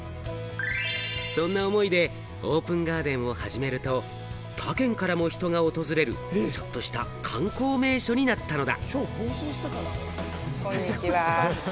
そんな思いでオープンガーデンを始めると、他県からも人が訪れる、ちょっとした観光名所になったのだ。